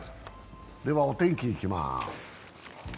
ではお天気いきます。